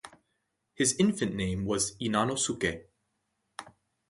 His infant name was Inanosuke.